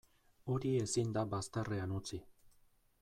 Hori ezin da bazterrean utzi.